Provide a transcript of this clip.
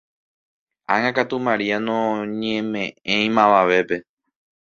Ág̃akatu Maria noñemeʼẽi mavavépe.